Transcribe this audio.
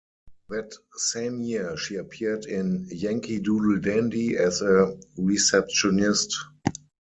That same year, she appeared in "Yankee Doodle Dandy" as a receptionist.